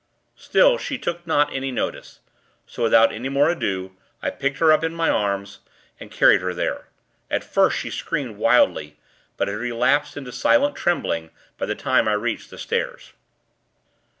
Still, she took not any notice. So, without more ado, I picked her up in my arms, and carried her there. At first, she screamed, wildly; but had relapsed into silent trembling, by the time I reached the stairs.